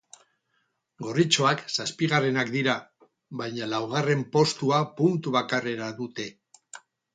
Gorritxoak zazpigarrenak dira, baina laugarren postua puntu bakarrera dute.